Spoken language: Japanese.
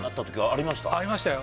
ありましたよ。